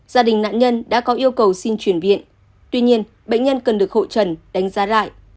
gia đình nạn nhân đã có yêu cầu xin chuyển viện tuy nhiên bệnh nhân cần được hội trần đánh giá lại